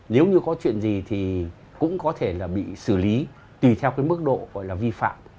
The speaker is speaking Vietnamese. nếu như có chuyện gì thì cũng có thể là bị xử lý tùy theo cái mức độ gọi là vi phạm